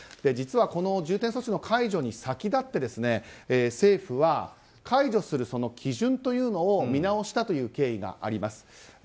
実は重点措置の解除に先立って政府は解除する基準というのを見直したという経緯があります。